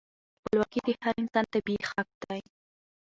خپلواکي د هر انسان طبیعي حق دی.